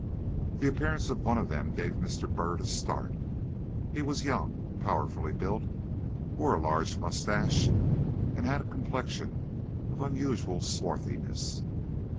The appearance of one of them gave Mr. Byrd a start. He was young, powerfully built, wore a large mustache, and had a complexion of unusual swarthiness.